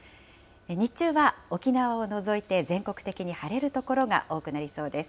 日中は沖縄を除いて、全国的に晴れる所が多くなりそうです。